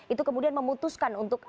itu kemudian memutuskan untuk